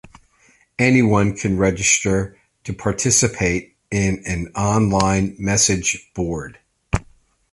Anyone can register to participate in an online message board.